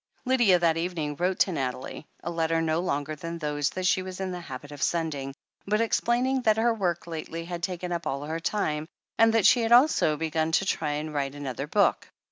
Lydia that evening wrote to Nathalie — sl letter no longer than those that she was in the habit of sending, but explaining that her work lately had taken up all her time, and that she had also begun to try and write another book.